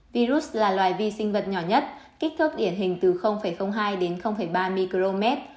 virus là loài vi sinh vật nhỏ nhất kích thước điển hình từ hai đến ba micromet